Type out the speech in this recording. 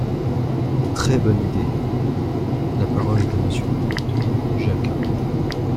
Très bonne idée ! La parole est à Monsieur Denis Jacquat.